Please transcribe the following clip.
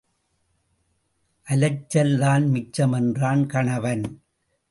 அலைச்சல் தான் மிச்சம் என்றான் கணவன்.